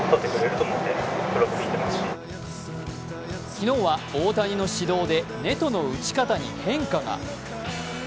昨日は大谷の指導でネトの打ち方に変化が。